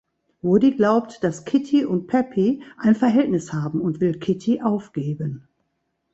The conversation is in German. Woody glaubt, dass Kitty und Pepi ein Verhältnis haben, und will Kitty aufgeben.